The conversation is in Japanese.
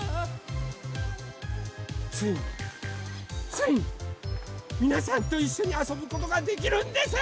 ついについにみなさんといっしょにあそぶことができるんです！